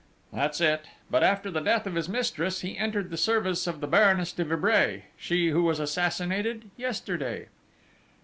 "That's it!... But, after the death of his mistress, he entered the service of the Baroness de Vibray, she who was assassinated yesterday!"